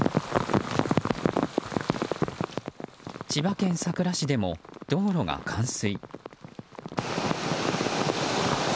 千葉県佐倉市でも道路が冠水。